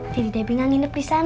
jadi debingan nginep disana